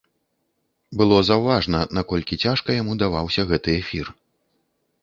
Было заўважна, наколькі цяжка яму даваўся гэты эфір.